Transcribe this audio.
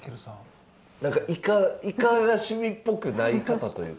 何かイカが趣味っぽくない方というか。